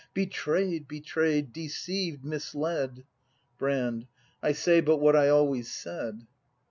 ] Betray 'd! Betray 'd! Deceived! Misled! Brand. I say but what I always said!